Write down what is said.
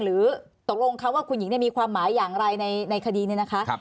หรือตกลงเขาว่าคุณหญิงมีความหมายอย่างไรในคดีนี้นะคะ